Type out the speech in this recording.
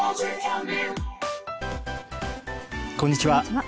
こんにちは。